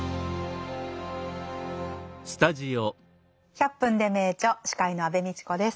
「１００分ｄｅ名著」司会の安部みちこです。